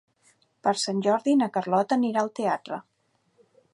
Per Sant Jordi na Carlota anirà al teatre.